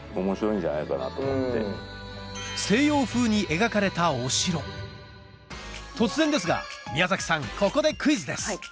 描かれたお城突然ですが宮さんここでクイズです